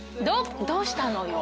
どうしたのよ。